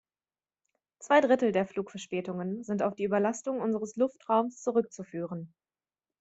Zwei Drittel der Flugverspätungen sind auf die Überlastung unseres Luftraums zurückzuführen.